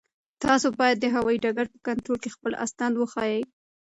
تاسو باید د هوایي ډګر په کنټرول کې خپل اسناد وښایئ.